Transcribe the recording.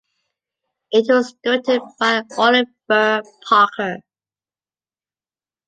It was directed by Oliver Parker.